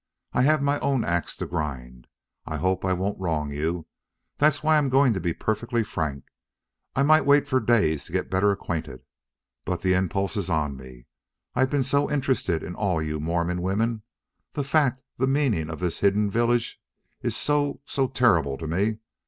I have my own ax to grind. I hope I won't wrong you. That's why I'm going to be perfectly frank. I might wait for days to get better acquainted. But the impulse is on me. I've been so interested in all you Mormon women. The fact the meaning of this hidden village is so so terrible to me.